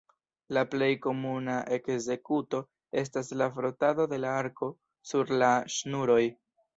La plej komuna ekzekuto estas la frotado de la arko sur la ŝnuroj.